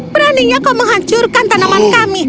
beraninya kau menghancurkan tanaman kami